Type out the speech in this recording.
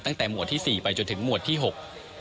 ตั้งแต่หมวดที่สี่ไปจนถึงหมวดที่หก